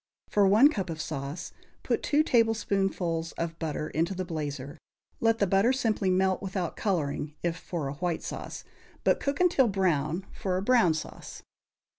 For one cup of sauce, put two tablespoonfuls of butter into the blazer; let the butter simply melt, without coloring, if for a white sauce, but cook until brown for a brown sauce.